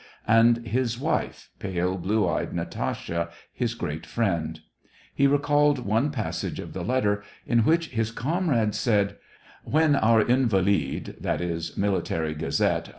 and his wife, pale, blue eyed Natasha, his great friend. He recalled one passage of the let ter, in which his comrade said :— "When our Invalid^ arrives, Pupka (this was * Military Gazette.